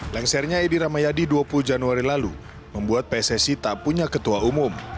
lengsernya edi ramayadi dua puluh januari lalu membuat pssi tak punya ketua umum